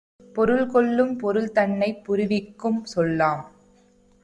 பொருள்கொள்ளும் பொருள்தன்னைப் புரிவிக்கும் சொல்லாம்.